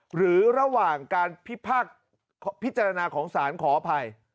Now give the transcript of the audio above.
หรือระหว่างการพิจารณาของศาลขออภัย